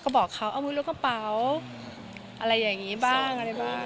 ก็บอกเขาเอามือลูกกระเป๋าอะไรอย่างนี้บ้าง